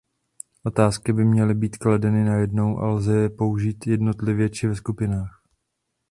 Otázky by měly být kladeny najednou a lze je použít jednotlivě či ve skupinách.